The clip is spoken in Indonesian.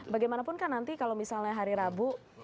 bagaimanapun kan nanti kalau misalnya hari rabu